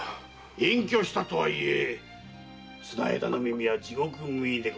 隠居したとはいえ綱條の耳は地獄耳でござるでな。